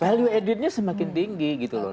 value addednya semakin tinggi gitu loh